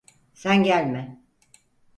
Sen gelme!